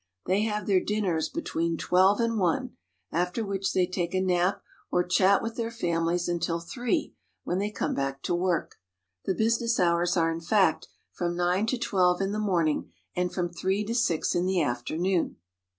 They have their dinners between twelve and one, after which they take a nap or chat with their families until three, when they come back to work. The business hours are, in fact, from nine to twelve in the morning, and from three to six in the afternoon.